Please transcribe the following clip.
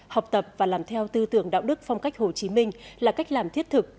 học tập và làm theo tư tưởng đạo đức phong cách hồ chí minh là cách làm thiết thực